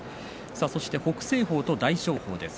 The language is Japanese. そして北青鵬と大翔鵬です。